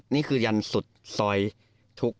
นี่คือยันสุดซอยทุก